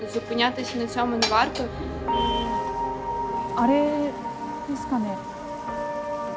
あれですかね。